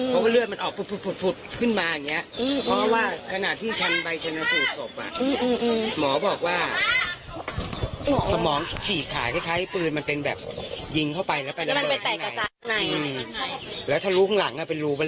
เพราะเรื่องมันออกปุ๊บขึ้นมาอย่าง